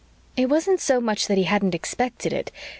It wasn't so much that he hadn't expected it.